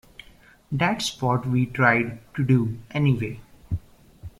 That's what we tried to do, anyway.